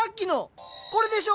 これでしょ？